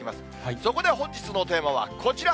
そこで本日のテーマはこちら。